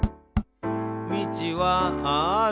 「みちはある」